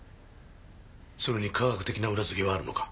それに科学的な裏づけはあるのか？